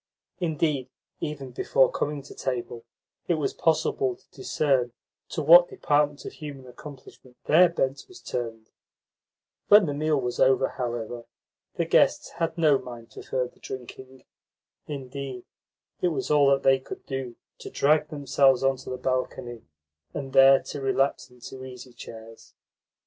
Indeed, even before coming to table, it was possible to discern to what department of human accomplishment their bent was turned. When the meal was over, however, the guests had no mind for further drinking. Indeed, it was all that they could do to drag themselves on to the balcony, and there to relapse into easy chairs.